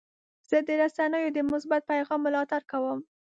زه د رسنیو د مثبت پیغام ملاتړ کوم.